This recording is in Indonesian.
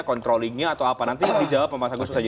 controllingnya atau apa nanti dijawab mas agus saja